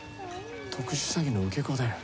特殊詐欺の受け子だよ。